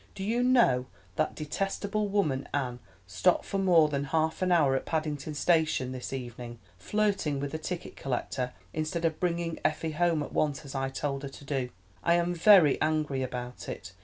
Do you know that detestable woman Anne stopped for more than half an hour at Paddington Station this evening, flirting with a ticket collector, instead of bringing Effie home at once, as I told her to do. I am very angry about it.